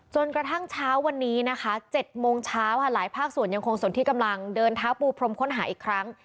จนกระทั่งเช้าวันนี้นะคะ๗โมงเช้าค่ะหลายภาคส่วนยังคงสนที่กำลังเดินเท้าปูพรมค้นหาอีกครั้ง